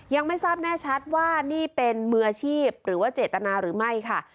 ยังไม่ทราบแน่ชัดว่านี่เป็นมืออาชีพหรือว่าเจตนาหรือไม่ค่ะ